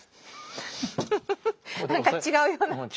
何か違うような。